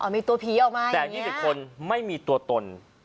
อ๋อมีตัวผีออกมาอย่างนี้แต่๒๐คนไม่มีตัวตน